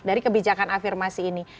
dari kebijakan afirmasi ini